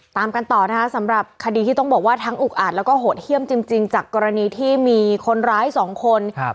ตามกันต่อนะคะสำหรับคดีที่ต้องบอกว่าทั้งอุกอาจแล้วก็โหดเยี่ยมจริงจากกรณีที่มีคนร้ายสองคน